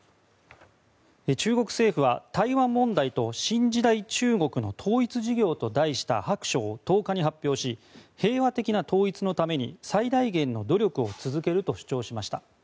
中国政府は、台湾問題と新時代中国の統一事業と題した白書を１０日に発表し平和的な統一のために最大限の努力を続けると主張しました。